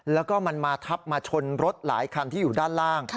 แล้วก็มันมาทับมาชนรถหลายคันที่อยู่ด้านล่าง